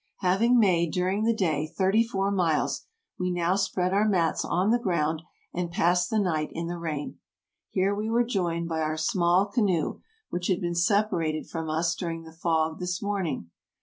Having made during the day thirty four miles, we now spread our mats on the ground, and passed the night in the rain. Here we were joined by our small canoe, which had been separated from us during the fog this morning.